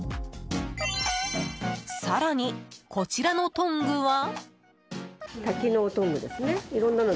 更に、こちらのトングは？